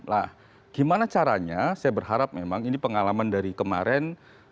nah gimana caranya saya berharap memang ini pengalaman dari kemarin